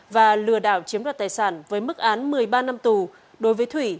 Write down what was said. và lừa đảo chiếm đoạt tài sản với mức án một mươi ba năm tù đối với thủy